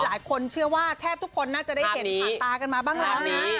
หลายคนเชื่อว่าแทบทุกคนน่าจะได้เห็นผ่านตากันมาบ้างแล้วนะ